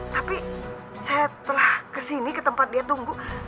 tapi saya telah kesini ke tempat dia tunggu